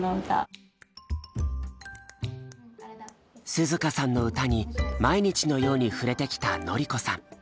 涼花さんの歌に毎日のように触れてきた典子さん。